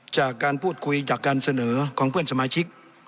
จากการพูดคุยจากการเสนอของเพื่อนสมาชิก